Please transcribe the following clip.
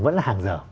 vẫn là hàng dở